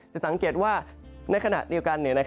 จะสังเกตว่าในขณะเดียวกัน